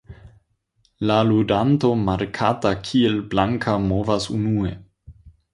La ludanto markata kiel "blanka" movas unue.